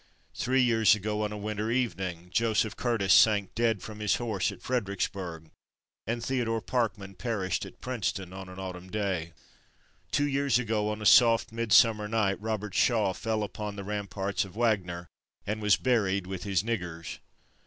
Three years ago, on a winter evening, Joseph Curtis sank dead from his horse at Fredericksburg, and Theodore Parkman perished at Princeton on an autumn day. Two years ago, on a soft midsummer night, Robert Shaw fell upon the ramparts of Wagner, and was "buried with his niggers."